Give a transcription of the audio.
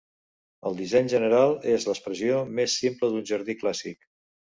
El disseny general és l'expressió més simple d'un jardí clàssic.